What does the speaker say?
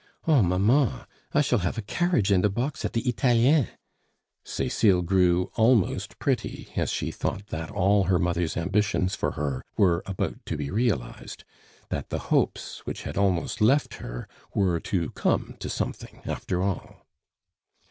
Oh! mamma, I shall have a carriage and a box at the Italiens " Cecile grew almost pretty as she thought that all her mother's ambitions for her were about to be realized, that the hopes which had almost left her were to come to something after all.